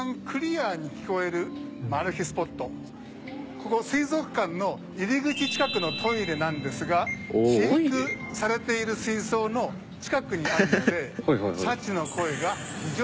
ここ水族館の入り口近くのトイレなんですが飼育されている水槽の近くにあるのでシャチの声が非常に通りやすく聞こえます。